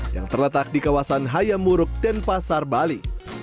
yang terletak di kawasan hayam murug denpasar bali